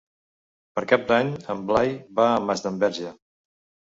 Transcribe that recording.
Per Cap d'Any en Blai va a Masdenverge.